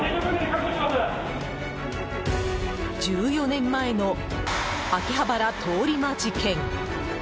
１４年前の秋葉原通り魔事件。